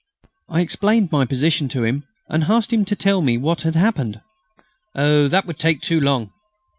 I explained my position to him, and asked him to tell me what had happened. "Oh! that would take too long.